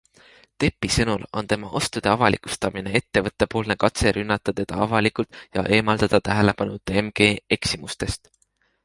Deppi sõnul on tema ostude avalikustamine ettevõttepoolne katse rünnata teda avalikult ja eemaldada tähelepanu TMG eksimustest.